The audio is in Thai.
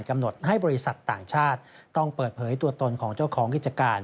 กำหนดให้บริษัทต่างชาติต้องเปิดเผยตัวตนของเจ้าของกิจการ